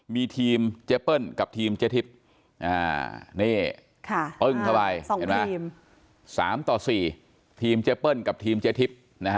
มีทีมเจปเปิ้ลกับทีมเจทิปปึ้งเข้าไป๓ต่อ๔ทีมเจปเปิ้ลกับทีมเจทิป